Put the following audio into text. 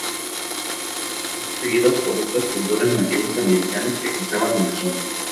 Fueron seguidos por otras culturas nativas americanas que cazaban en la zona.